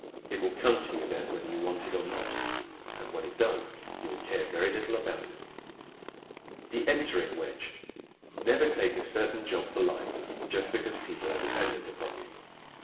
It will come to you then whether you want it or not. And when it does you will care very little about it. The Entering Wedge ¶ Never take a certain job for life just because people are dependent upon you.